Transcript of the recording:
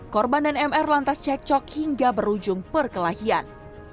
korban dan mr lantas cek cok hingga berujung perkelahian